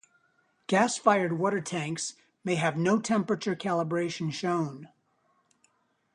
Gas-fired water tanks may have no temperature calibration shown.